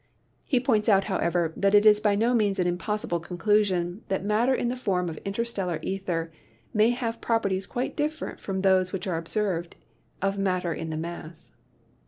He points out, however, that it is by no means an impossible conclusion that matter in the form of interstellar ether may have properties quite different from those which are observed of matter in the mass.